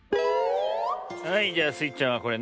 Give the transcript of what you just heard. はいじゃあスイちゃんはこれね。